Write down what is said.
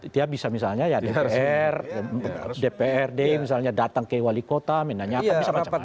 dia bisa misalnya ya dpr dprd misalnya datang ke wali kota menanyakan bisa macam macam